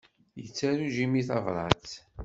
Yettaru Jimmy tabrat?